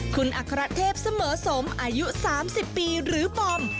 คุณอัครเทพเสมอสมอายุ๓๐ปีหรือบอม